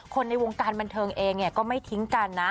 ในวงการบันเทิงเองก็ไม่ทิ้งกันนะ